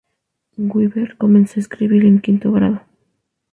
Weber comenzó a escribir en quinto grado.